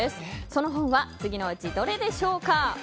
その本は次のうちどれでしょうか。